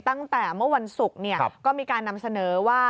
ตั้งแต่เมื่อวันศุกร์ก็มีการนำเสนอว่า